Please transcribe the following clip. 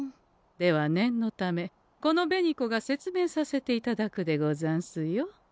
では念のためこの紅子が説明させていただくでござんすよ。